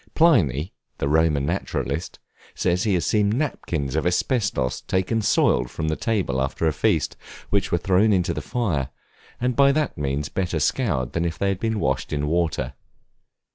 Pliny, the Roman naturalist, says he has seen napkins of asbestus taken soiled from the table after a feast, which were thrown into the fire, and by that means better scoured than if they had been washed with water.